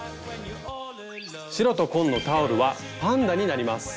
白と紺のタオルはパンダになります！